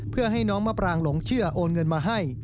เพื่อให้น้องมะปรางหลงเชื่อโอนเงินมาให้